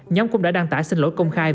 nhóm cũng đã đăng tả xin lỗi công khai